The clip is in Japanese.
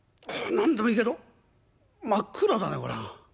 何でもいいけど真っ暗だねこりゃ。